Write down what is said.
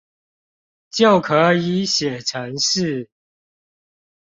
就可以寫程式